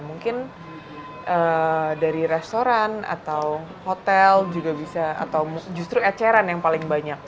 mungkin dari restoran atau hotel juga bisa atau justru eceran yang paling banyak